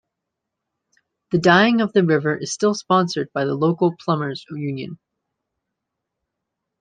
The dyeing of the river is still sponsored by the local plumbers union.